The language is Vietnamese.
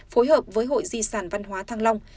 phối hợp với hội di sản văn hóa thăng long